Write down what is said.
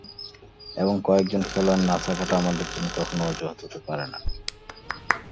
এবং কয়েকজন খেলোয়াড় না-থাকাটা আমাদের জন্য কখনো অজুহাত হতে পারে না।